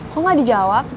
kok gak dijawab